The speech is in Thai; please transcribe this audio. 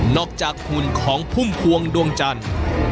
จากหุ่นของพุ่มพวงดวงจันทร์